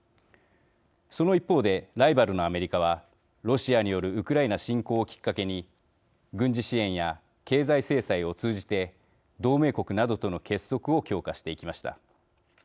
その一方でライバルのアメリカはロシアによるウクライナ侵攻をきっかけに軍事支援や経済制裁を通じて同盟国などとの結束を強化していきました。